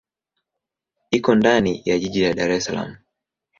Iko ndani ya jiji la Dar es Salaam.